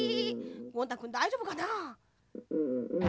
ゴン太くんだいじょうぶかな？